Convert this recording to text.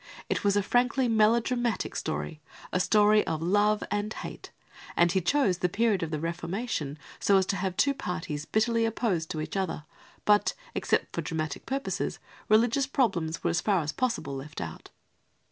It was frankly a melodramatic story, a story of love and hate, and he chose the period of the Reformation, so as to have two parties bitterly opposed to each other; but, except for dramatic purposes, religious problems were as far as possible left out.